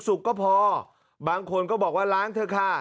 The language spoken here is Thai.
สุกก็พอบางคนก็บอกว่าล้างเถอะค่ะ